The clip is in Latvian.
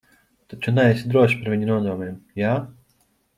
Taču neesi drošs par viņu nodomiem, jā?